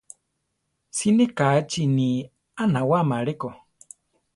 Siné kachini a nawáma aleko.